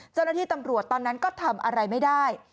เจ้าหน้าที่ตำรวจตอนนั้นก็ทำอะไรไม่ได้